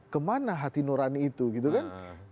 kemana hati nurani itu gitu kan